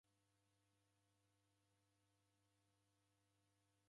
Ochura machi mtunginyi